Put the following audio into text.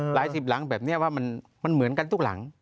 หลายสิบหลังแบบนี้ว่ามันเหมือนกันทุกหลัง